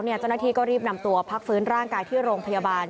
เจ้าหน้าที่ก็รีบนำตัวพักฟื้นร่างกายที่โรงพยาบาล